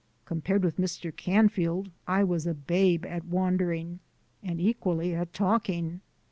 Compared with Mr. Canfield I was a babe at wandering and equally at talking.